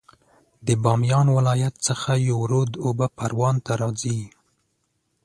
د بامیان ولایت څخه یو رود اوبه پروان ته راځي